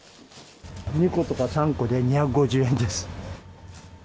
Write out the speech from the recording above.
２個とか３個で２５０円です。